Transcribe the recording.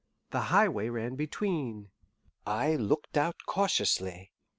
The highway ran between. I looked out cautiously.